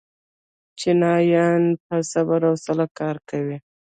چینایان په صبر او حوصله کار کوي.